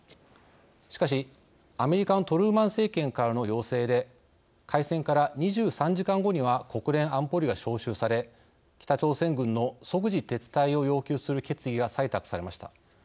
しかしアメリカのトルーマン政権からの要請で開戦から２３時間後には国連安保理が招集され北朝鮮軍の即時撤退を要求する決議が採択されました。